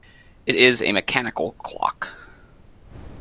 It is a mechanical clock.